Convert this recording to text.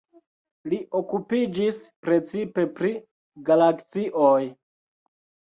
Li okupiĝis precipe pri galaksioj.